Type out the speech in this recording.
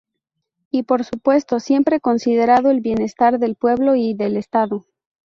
Y por supuesto, siempre considerando el bienestar del pueblo y del Estado.